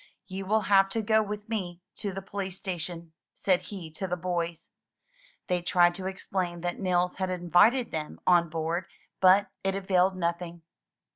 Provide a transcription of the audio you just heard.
"You will have to go with me to the police station," said he to the boys. They tried to explain that Nils had invited them on board, but it availed nothing.